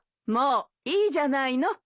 もういいじゃないの。